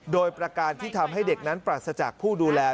โดยประการที่ทำให้เด็กนั้นปราศจากผู้ดูแล